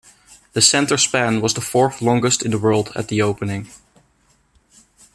The center span was the fourth longest in the world at the opening.